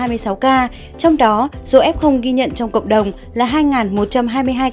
trong đó số f ghi nhận trong cộng đồng là hai một trăm hai mươi hai ca